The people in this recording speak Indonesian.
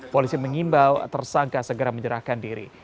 polisi mengimbau tersangka segera menyerahkan diri